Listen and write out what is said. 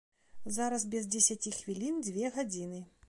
Зараз без дзесяці хвілін дзве гадзіны.